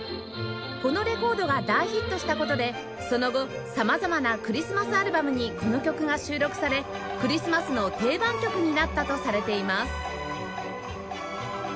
このレコードが大ヒットした事でその後様々なクリスマスアルバムにこの曲が収録されクリスマスの定番曲になったとされています